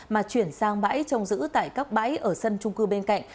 mà chuyển sang bãi trồng giữ tại các bãi ở sân trung cư bên cạnh